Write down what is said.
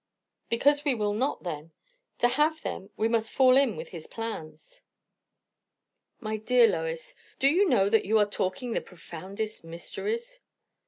"Because we will not, then. To have them, we must fall in with his plans." "My dear Lois, do you know that you are talking the profoundest mysteries?"